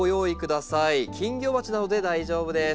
金魚鉢などで大丈夫です。